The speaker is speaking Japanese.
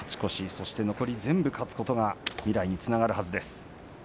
そして残り全部勝つことが未来につながることです。